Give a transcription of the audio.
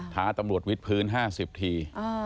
ท้าตำรวจวิทพื้น๕๐ที